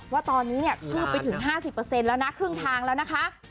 ว่าตอนนี้เนี่ยคืบไปถึง๕๐แล้วนะครึ่งทางแล้วนะคะ